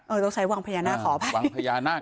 เออต้องใช้วังพญานาคขอไป